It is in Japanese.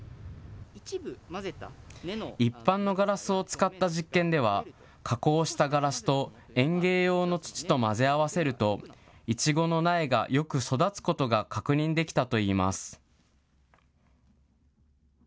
一般のガラスを使った実験では、加工したガラスと園芸用の土と混ぜ合わせると、イチゴの苗がよく育つことが確認できたといいます。